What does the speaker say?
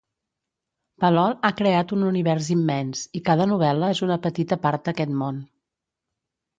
Palol ha creat un univers immens, i cada novel·la és una petita part d'aquest món.